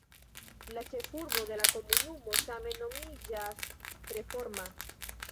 La ĉefurbo de la komunumo same nomiĝas Reforma.